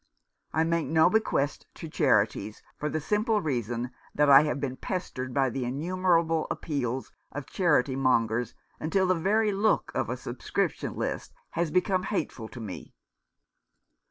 " I make no bequests to charities, for the simple reason that I have been pestered by the innumerable appeals of charity mongers until the very look of a subscription list has become hateful to me."